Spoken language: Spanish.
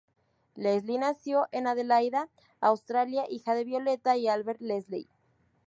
Leslie nació en Adelaida, Australia, hija de Violeta y Albert Leslie.